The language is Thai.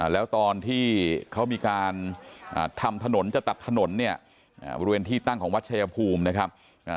แล้วตอนที่เขามีการทำถนนจะตัดถนนเนี่ยบริเวณที่ตั้งของวัดชายภูมินะครับ